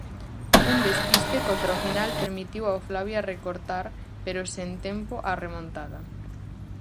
Un despiste contra o final permitiu ao Flavia recortar, pero sen tempo á remontada.